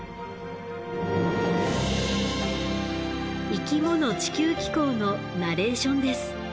「生きもの地球紀行」のナレーションです。